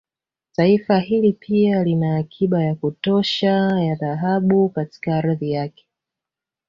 Taifa hili pia lina akiba ya kutosha ya Dhahabu katika ardhi yake